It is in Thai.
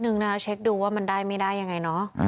นึกล่าวว่ามันได้หรือไม่ได้